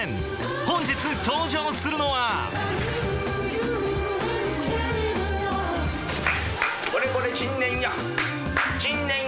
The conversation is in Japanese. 本日登場するのは「これこれ珍念や珍念や！」。